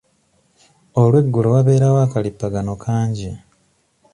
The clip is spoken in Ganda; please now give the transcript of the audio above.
Olweggulo wabeerayo akalippagano kangi.